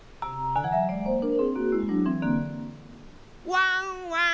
・ワンワン